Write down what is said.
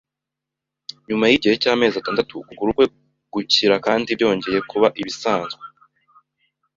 Nyuma yigihe cyamezi atandatu, ukuguru kwe gukira kandi byongeye kuba ibisanzwe.